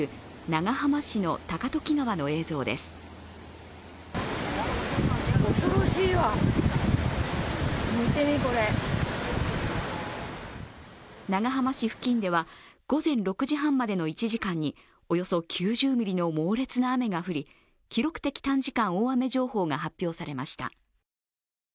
長浜市付近では午前６時半までの１時間におよそ９０ミリの猛烈な雨が降り記録的短時間大雨情報が発表されました。